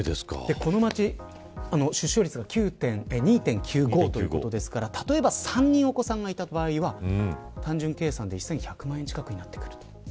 この町、出生率が２．９５ということですから例えば３人お子さんがいた場合は単純計算で１１００万円近くになってくると。